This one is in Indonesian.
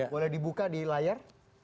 boleh dibuka di layar